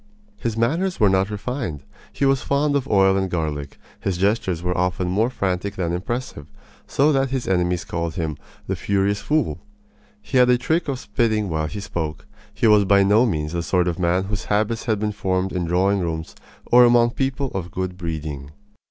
His manners were not refined. He was fond of oil and garlic. His gestures were often more frantic than impressive, so that his enemies called him "the furious fool." He had a trick of spitting while he spoke. He was by no means the sort of man whose habits had been formed in drawing rooms or among people of good breeding.